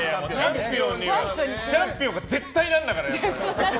チャンピオンが絶対なんだから！